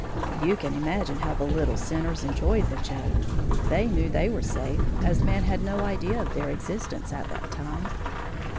You can imagine how the little sinners enjoyed the joke; they knew they were safe, as man had no idea of their existence at that time.